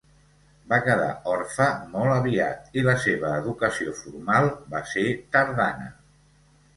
Va quedar orfe molt aviat i la seva educació formal va ser tardana.